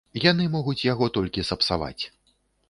Яны могуць яго толькі сапсаваць.